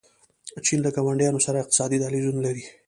چین له ګاونډیانو سره اقتصادي دهلیزونه لري.